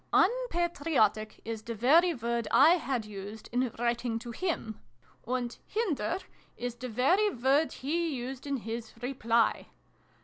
"'Unpatriotic' is the very word I had used, in writing to him, and ''hinder' is the very word he used in his reply